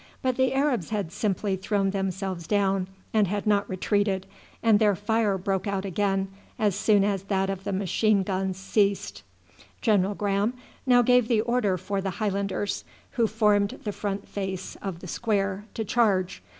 But the Arabs had simply thrown themselves down and had not retreated, and their fire broke out again as soon as that of the machine guns ceased. General Graham now gave the order for the Highlanders, who formed the front face of the square, to charge.